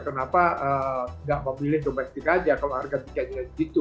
kenapa nggak memilih domestik aja kalau harga tiketnya begitu